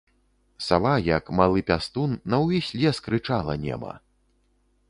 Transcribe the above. Сава, як малы пястун, на ўвесь лес крычала нема.